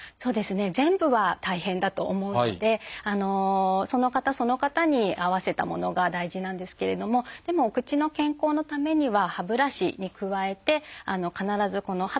全部は大変だと思うのでその方その方に合わせたものが大事なんですけれどもでもお口の健康のためには歯ブラシに加えて必ず歯と歯の間をお掃除する道具ですね